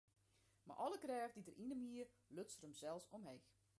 Mei alle krêft dy't er yn him hie, luts er himsels omheech.